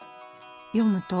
読むと？